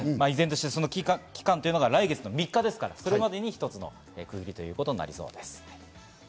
その期間は来月３日ですから、それまでに一つの区切りということになりそうです。